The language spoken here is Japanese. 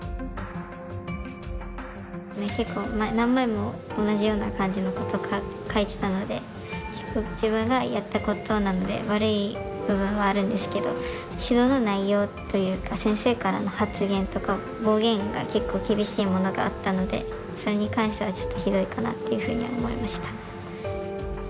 結構何枚も同じような感じのことを書いていたので自分がやったことなので悪い部分はあるんですけど指導の内容というか先生からの発言とか暴言が結構厳しいものがあったのでそれに関してはちょっとひどいかなっていうふうに思いました。